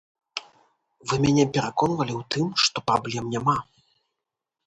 Вы мяне пераконвалі ў тым, што праблем няма.